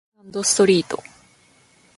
セカンドストリート